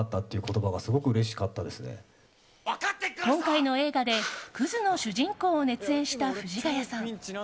今回の映画でクズの主人公を熱演した藤ヶ谷さん。